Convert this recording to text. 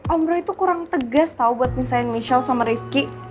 om roy tuh kurang tegas tau buat nyeselin michelle sama rifqi